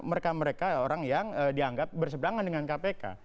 mereka mereka orang yang dianggap berseberangan dengan kpk